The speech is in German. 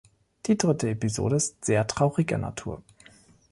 Die dritte Episode ist sehr trauriger Natur.